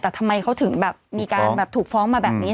แต่ทำไมเขาถึงแบบมีการถูกฟ้องมาแบบนี้